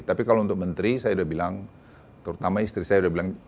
tapi kalau untuk menteri saya udah bilang terutama istri saya udah bilang